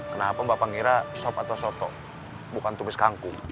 kenapa mbak pangira sop atau soto bukan tumis kangkung